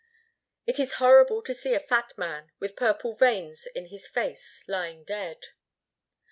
"It is horrible to see a fat man with purple veins in his face lying dead."